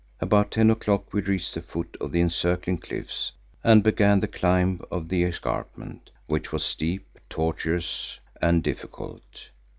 About ten o'clock we reached the foot of the encircling cliffs and began the climb of the escarpment, which was steep, tortuous and difficult.